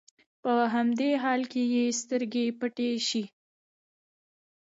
په همدې حال کې يې سترګې پټې شي.